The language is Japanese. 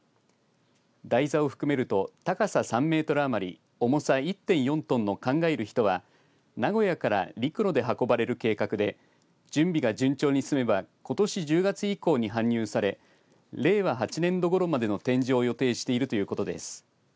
台座を含めると高さ３メートル余り重さ１．４トンの考える人は名古屋から陸路で運ばれる計画で準備が順調に進めばことし１０月以降に搬入され令和８年度ごろまでの展示を予定しているということです。